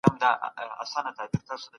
علم د تجربو د تکرار پايله ده.